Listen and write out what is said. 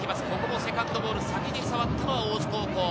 セカンドボール、先に触ったのは大津高校。